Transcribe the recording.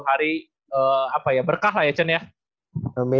hari apa ya berkah lah ya cen ya